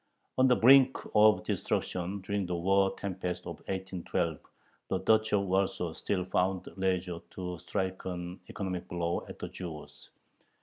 On the brink of destruction, during the war tempest of 1812, the Duchy of Warsaw still found leisure to strike an economic blow at the Jews.